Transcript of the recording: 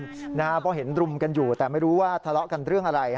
เพราะเห็นรุมกันอยู่แต่ไม่รู้ว่าทะเลาะกันเรื่องอะไร